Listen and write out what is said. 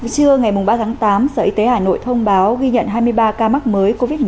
trưa ngày ba tháng tám sở y tế hà nội thông báo ghi nhận hai mươi ba ca mắc mới covid một mươi chín